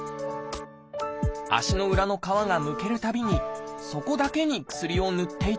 足の裏の皮がむけるたびにそこだけに薬をぬっていたのです。